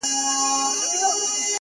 o ستا د څوڼو ځنگلونه زمـا بــدن خـوري؛